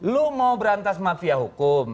lu mau berantas mafia hukum